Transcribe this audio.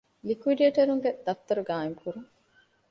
ލިކުއިޑޭޓަރުންގެ ދަފްތަރު ޤާއިމުކުރުން